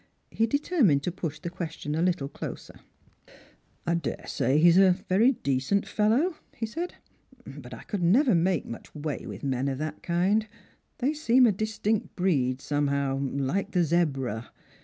He determined to push the ques tion a little closer. " I daresay he's a very decent fellow," he said ;" but I could never make much way with men of that kind. They seem a distinct breed somehow, like the zebra.